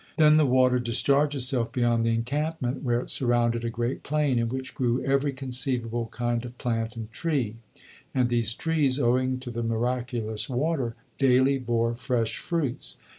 Then the water discharged itself beyond the encampment, where it surrounded a great plain, in which grew every conceivable kind of plant and tree; and these trees, owing to the miraculous water, daily bore fresh fruits.